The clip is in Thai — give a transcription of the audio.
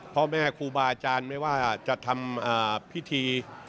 พ่อแม่ครูบาอาจารย์ไม่ว่าจะทำพิธี